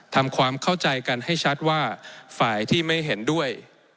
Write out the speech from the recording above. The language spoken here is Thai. ทำความเข้าใจกันให้ชัดว่าฝ่ายที่ไม่เห็นด้วย